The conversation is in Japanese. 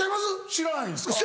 知らないんですか？